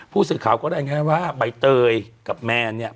ผู้สื่อข่าวก็ได้ง่ายว่าใบเตยกับแมนเนี่ย